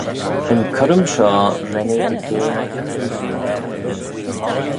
Yn currym shoh ren eh dy geyre y chooilleeney.